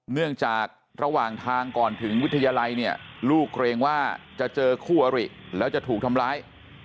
เนื่องจากระหว่างทางก่อนถึงวิทยาลัยเนี่ยลูกเกรงว่าจะเจอคู่อริแล้วจะถูกทำร้าย